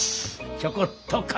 ちょこっと貸せ。